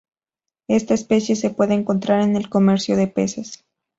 Esta especie se puede encontrar en el comercio de peces.